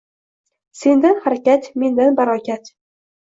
Sendan harakat mendan barokat.